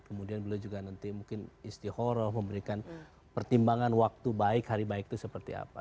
kemudian beliau juga nanti mungkin istiqoroh memberikan pertimbangan waktu baik hari baik itu seperti apa